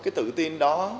cái tự tin đó